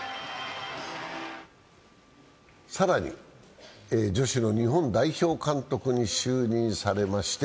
更に、女子の日本代表監督に就任されまして